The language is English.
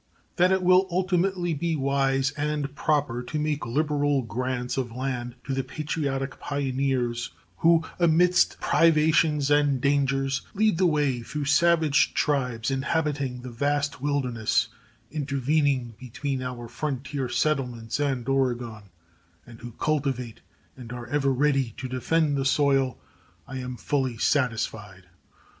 That it will ultimately be wise and proper to make liberal grants of land to the patriotic pioneers who amidst privations and dangers lead the way through savage tribes inhabiting the vast wilderness intervening between our frontier settlements and Oregon, and who cultivate and are ever ready to defend the soil, I am fully satisfied.